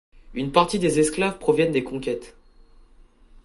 Une partie des esclaves proviennent des conquêtes.